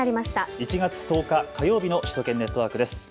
１月１０日火曜日の首都圏ネットワークです。